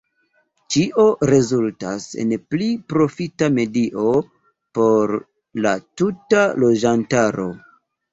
Ĉio rezultas en pli profita medio por la tuta loĝantaro.